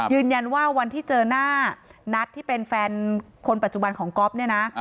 วันที่เจอหน้านัทที่เป็นแฟนคนปัจจุบันของก๊อฟเนี่ยนะ